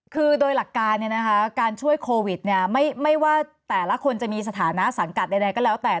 คือโดยหลักการการช่วยโควิดไม่ว่าแต่ละคนจะมีสถานะสังกัดใดก็แล้วแต่